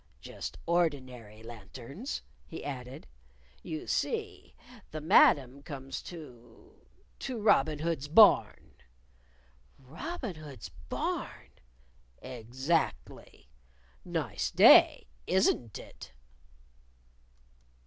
"Just ordinary lanterns," he added. "You see, the Madam comes to to Robin Hood's Barn." "Robin Hood's Barn!" "Exactly. Nice day, isn't it?"